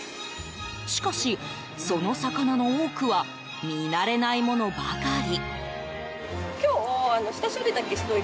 しかし、その魚の多くは見慣れないものばかり。